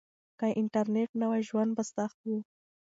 که انټرنيټ نه وای ژوند به سخت و.